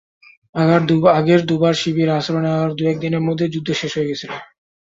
আগের দুবার শিবিরে আশ্রয় নেওয়ার দু-এক দিনের মধ্যেই যুদ্ধ শেষ হয়ে গিয়েছিল।